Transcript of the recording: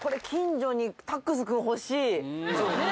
そうね。